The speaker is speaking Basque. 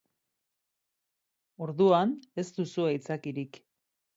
Orduan, ez duzu aitzakirik.